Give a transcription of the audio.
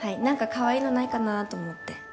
何かカワイイのないかなぁと思って。